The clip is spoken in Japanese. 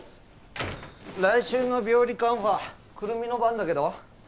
来週の病理カンファくるみの番だけど？